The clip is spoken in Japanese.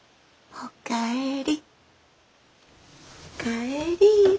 お帰り。